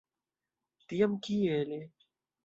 Tiam kiele?